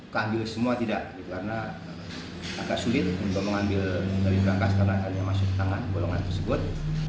kehadir semua tidak karena agak sulit untuk mengambil dari berangkas karena ada yang masuk tangan golongan tersebut